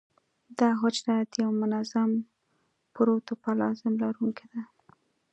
دا حجره د یو منظم پروتوپلازم لرونکې ده.